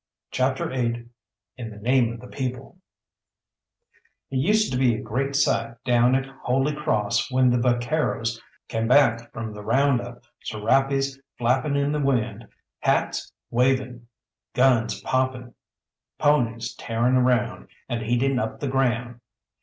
CHAPTER VIII IN THE NAME OF THE PEOPLE It used to be a great sight down at Holy Cross when the vaqueros came back from the round up, serapes flapping in the wind, hats waving, guns popping, ponies tearing around, and eating up the ground.